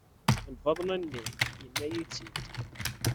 Lbaḍna-nni, yenna-iyi-tt-id.